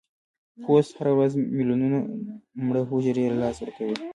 پوست هره ورځ ملیونونه مړه حجرې له لاسه ورکوي.